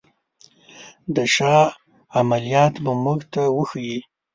د شاه عملیات به موږ ته وښيي.